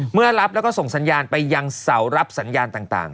เมื่อรับแล้วก็ส่งสัญญาณไปยังเสารับสัญญาณต่าง